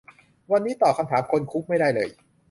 วันนี้ตอบคำถามคนคุกไม่ได้เลย